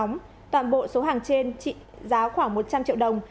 trong đó toàn bộ số hàng trên trị giá khoảng một trăm linh triệu đồng